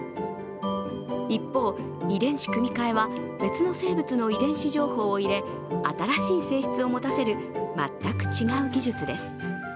一方、遺伝子組み替えは別の生物の遺伝子情報を入れ新しい性質を持たせる全く違う技術です。